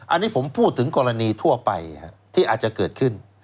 อันนี้ผมพูดถึงกรณีทั่วไปที่อาจจะเกิดขึ้น